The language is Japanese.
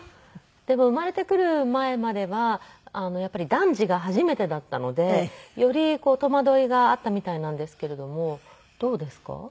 でも生まれてくる前まではやっぱり男児が初めてだったのでより戸惑いがあったみたいなんですけれども。